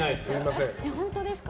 本当ですか？